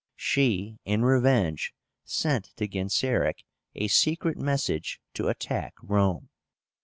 She in revenge sent to Genseric a secret message to attack Rome.